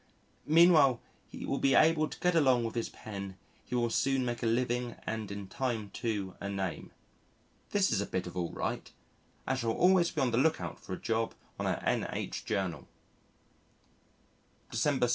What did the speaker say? "Meanwhile he will be able to get along with his pen ... he will soon make a living and in time too a name."] This is a bit of all right. I shall always be on the look out for a job on a N.H. Journal. December 7.